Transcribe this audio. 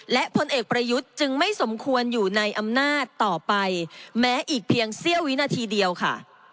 และพลเอกประยุทธ์จึงไม่สมควรอยู่ในอำนาจต่อไปแม้อีกเพียงเสี้ยววินาทีเดียวค่ะ